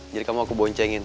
jadi kamu aku boncengin